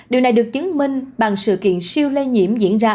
điều này được chứng minh bằng sự kiện siêu lây nhiễm diễn ra